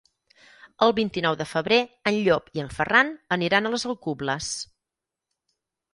El vint-i-nou de febrer en Llop i en Ferran aniran a les Alcubles.